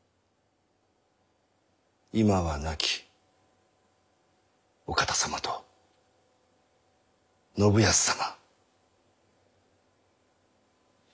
今は亡きお方様と信康様。